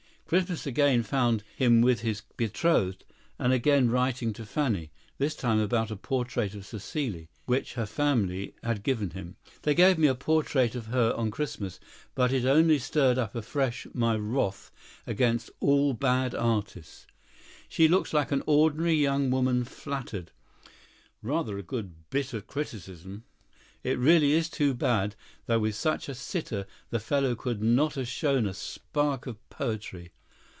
Christmas again found him with his betrothed and again writing to Fanny—this time about a portrait of Cécile, which her family had given him. "They gave me a portrait of her on Christmas, but it only stirred up afresh my wrath against all bad artists. She looks like an ordinary young woman flattered." (Rather a good bit of criticism.) "It really is too bad that with such a sitter the fellow could not have shown a spark of poetry."